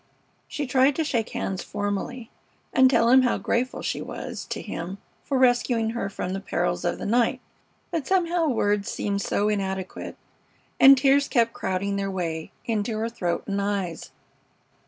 She tried to shake hands formally and tell him how grateful she was to him for rescuing her from the perils of the night, but somehow words seemed so inadequate, and tears kept crowding their way into her throat and eyes.